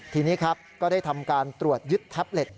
ทีนี้ครับก็ได้ทำการตรวจยึดแท็บเล็ต